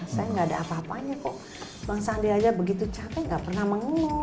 saya nggak ada apa apanya kok bang sandi aja begitu capek nggak pernah mengeluh